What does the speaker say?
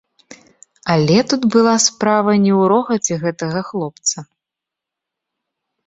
Але тут была справа не ў рогаце гэтага хлопца.